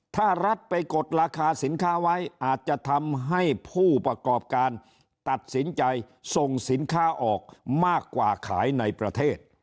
ถ้ารัฐไปกดราคาสินค้าไว้อาจจะทำให้ผู้ประกอบการตัดสินใจส่งสินค้าออกมากว่าขายในประเทศ